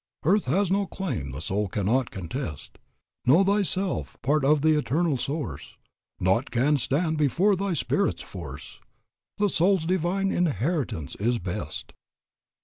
"Earth has no claim the soul cannot contest; Know thyself part of the Eternal Source; Naught can stand before thy spirit's force; The soul's Divine Inheritance is best."